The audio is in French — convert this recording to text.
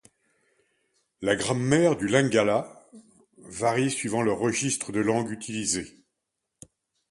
La grammaire du lingala varie selon le registre de langue utilisé.